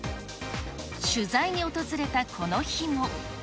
取材に訪れたこの日も。